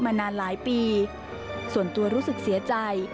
มานานหลายปีส่วนตัวรู้สึกเสียใจ